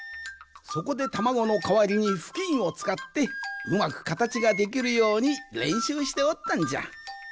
そこでたまごのかわりにふきんをつかってうまくかたちができるようにれんしゅうしておったんじゃ。